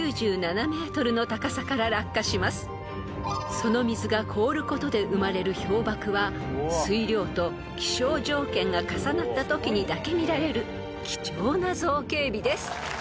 ［その水が凍ることで生まれる氷瀑は水量と気象条件が重なったときにだけ見られる貴重な造形美です］